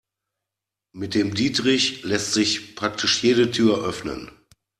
Mit dem Dietrich lässt sich praktisch jede Tür öffnen.